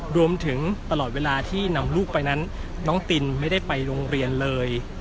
รวมถึงตลอดเวลาที่นำลูกไปนั้นน้องตินไม่ได้ไปโรงเรียนเลย